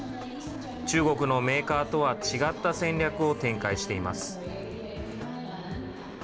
中国のメーカーとは違った戦略を展開しています。